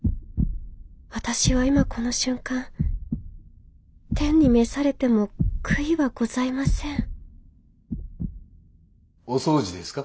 私は今この瞬間天に召されても悔いはございませんお掃除ですか。